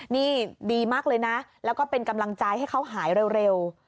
นี่ดีมากเลยนะแล้วก็เป็นกำลังใจให้เขาหายเร็ว